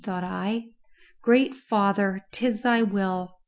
thought I. Great Father, 'tis Thy will!